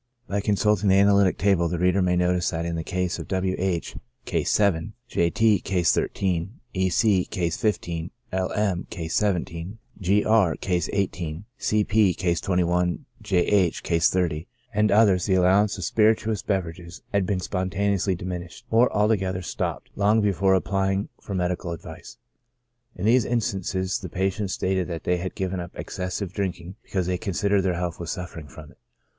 By consulting the analytical table the reader may notice that in the cases of W. H —, (Case 7,) J. T —, (Case 13,) E. C— , (Case 15,) L. M— , (Case 17,) G. R__, (Case 18,) C. P— , (Case 21,) J. H— , (Case 30,) and others, the allowance of spirituous beverages had been TREATMENT. 73 spontaneously diminished, or altogether stopped, long be fore applying for medical advice. In these instances, the patients stated they had given up excessive drinking because they considered their health vi^as suffering from it.